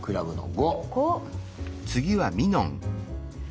５。